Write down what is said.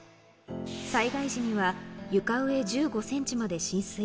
災害時には床上１５センチまで浸水。